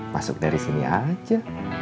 masuk dari sini aja